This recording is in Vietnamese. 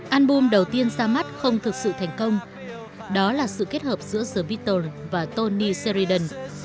album đầu tiên ra mắt không thực sự thành công đó là sự kết hợp giữa the viton và tony seriden